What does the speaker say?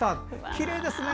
きれいですね。